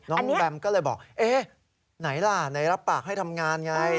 แบมก็เลยบอกเอ๊ะไหนล่ะไหนรับปากให้ทำงานไง